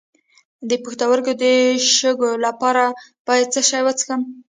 د پښتورګو د شګو لپاره باید څه شی وڅښم؟